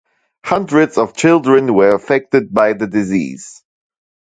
Hundreds of children were affected by the disease.